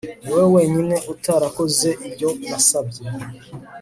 niwowe wenyine utarakoze ibyo nasabye